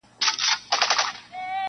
نوې د ایمل او دریاخان حماسه ولیکه-